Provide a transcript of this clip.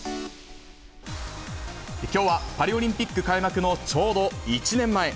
きょうはパリオリンピック開幕のちょうど１年前。